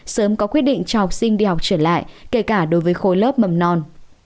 sớm có quyết định cho học sinh đi học trở lại kể cả đối với khối lớp mầm non